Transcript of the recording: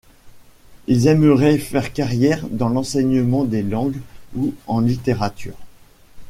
Il aimerait faire carrière dans l'enseignement des langues ou en littérature.